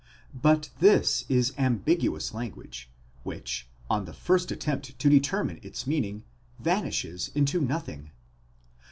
But this is ambiguous language, which, on the first attempt to determine its meaning, vanishes into nothing.